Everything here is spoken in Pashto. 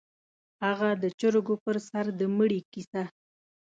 _هغه د چرګو پر سر د مړي کيسه؟